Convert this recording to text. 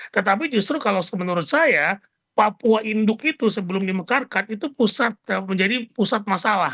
tetapi justru kalau menurut saya papua induk itu sebelum dimekarkan itu menjadi pusat masalah